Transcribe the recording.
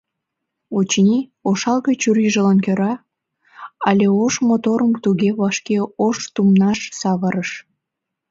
Очыни, ошалге чурийжылан кӧра, але ош моторым туге вашке «Ош тумнаш» савырыш?